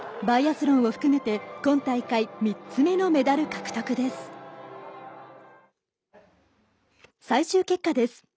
バイアスロンを含めて今大会３つ目のメダル獲得です。